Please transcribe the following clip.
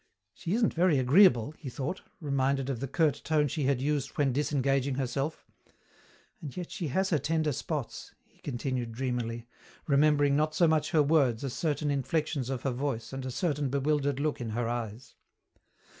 She isn't very agreeable," he thought, reminded of the curt tone she had used when disengaging herself, "and yet she has her tender spots," he continued dreamily, remembering not so much her words as certain inflections of her voice and a certain bewildered look in her eyes.